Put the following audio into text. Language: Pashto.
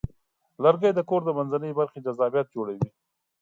لرګی د کور د منځنۍ برخې جذابیت جوړوي.